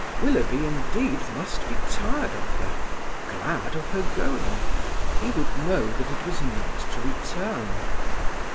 Willoughby indeed must be tired of her, glad of her going. He would know that it was not to return.